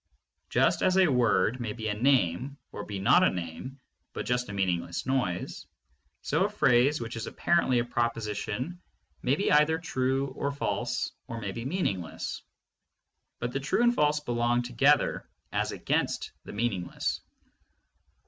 Just as a word may be a name or be not a name but just a meaningless noise, so a phrase which is apparently a proposition may be either true or false, or may be meaningless, but the true and false belong together as against the meaningless.